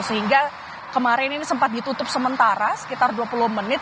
sehingga kemarin ini sempat ditutup sementara sekitar dua puluh menit